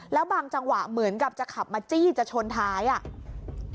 แล้วบางจังหวะเหมือนกับจะขับมาจี้จะชนท้ายอ่ะ